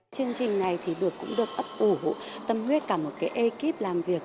chương trình này thì cũng được ấp ủ tâm huyết cả một cái ekip làm việc